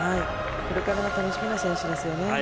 これからが楽しみな選手です